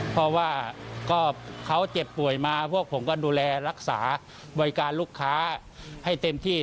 เพราะว่าก็เขาเจ็บป่วยมาพวกผมก็ดูแลรักษาบริการลูกค้าให้เต็มที่